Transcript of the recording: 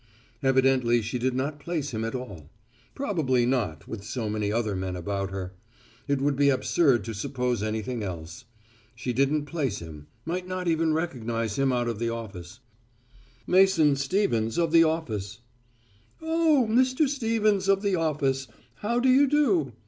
Evidently she did not place him at all. Probably not, with so many other men about her. It would be absurd to suppose anything else. She didn't place him might not even recognize him out of the office. "Mason Stevens of the office." "Oh, Mr. Stevens of the office. How do you do?"